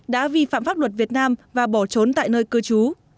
đã vi phạm pháp luật việt nam và bỏ trốn tại nơi cư trú